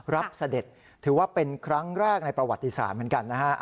เสด็จถือว่าเป็นครั้งแรกในประวัติศาสตร์เหมือนกันนะฮะ